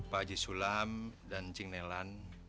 bu haji sulam dan cing nelan